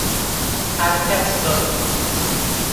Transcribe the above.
حرکت داد